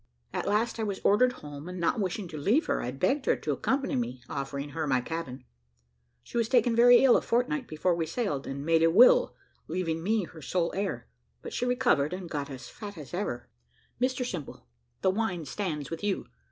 At last I was ordered home, and not wishing to leave her, I begged her to accompany me, offering her my cabin. She was taken very ill a fortnight before we sailed, and made a will, leaving me her sole heir; but she recovered, and got as fat as ever. Mr Simple, the wine stands with you.